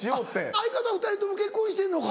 相方２人とも結婚してるのか。